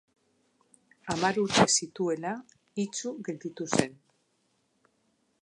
Hamar urte zituela itsu gelditu zen.